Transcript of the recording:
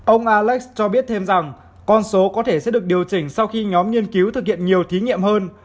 ông alex cho biết thêm rằng con số có thể sẽ được điều chỉnh sau khi nhóm nghiên cứu thực hiện nhiều thí nghiệm hơn